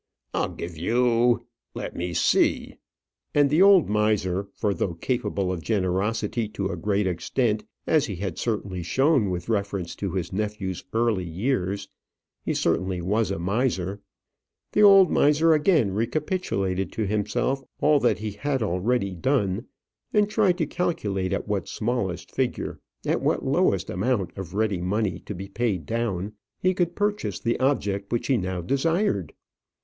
"I'll give you let me see." And the old miser for though capable of generosity to a great extent, as he had certainly shown with reference to his nephew's early years, he certainly was a miser the old miser again recapitulated to himself all that he had already done, and tried to calculate at what smallest figure, at what lowest amount of ready money to be paid down, he could purchase the object which he now desired.